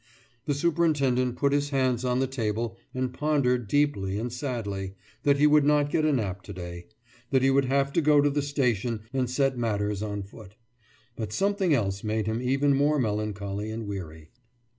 The superintendent put his hands on the table and pondered deeply and sadly that he would not get a nap today, that he would have to go to the station and set matters on foot. But something else made him even more melancholy and weary.